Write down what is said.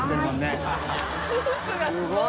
スープがすごい。